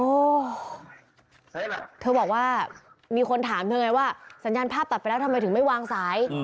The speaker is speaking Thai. เธอบอกว่ามีคนถามเธอไงว่าสัญญาณภาพตัดไปแล้วทำไมถึงไม่วางสาย